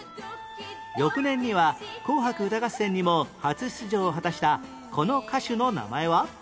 翌年には『紅白歌合戦』にも初出場を果たしたこの歌手の名前は？